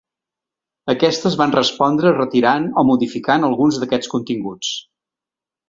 Aquestes van respondre retirant o modificant alguns d’aquests continguts.